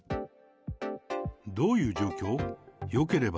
どういう状況？